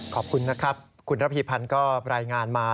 ขอบคุณนะครับคุณระพีพันธ์ก็รายงานมา